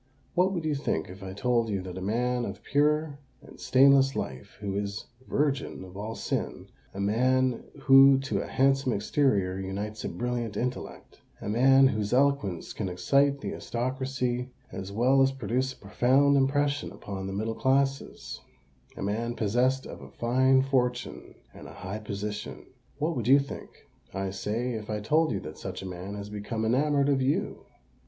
What would you think if I told you that a man of pure and stainless life, who is virgin of all sin,—a man who to a handsome exterior unites a brilliant intellect,—a man whose eloquence can excite the aristocracy as well as produce a profound impression upon the middle classes,—a man possessed of a fine fortune and a high position,—what would you think, I say, if I told you that such a man has become enamoured of you?"